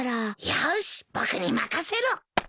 よし僕に任せろ。